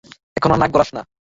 এখন আর নাক গলাস না।